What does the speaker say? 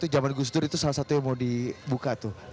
itu zaman gusdur itu salah satu yang mau dibuka tuh